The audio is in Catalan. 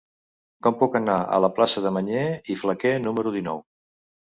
Com puc anar a la plaça de Mañé i Flaquer número dinou?